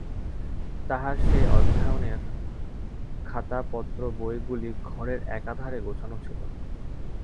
তাহার সেই অধ্যয়নের খাতাপত্রবইগুলি ঘরের একধারে গোছানো ছিল।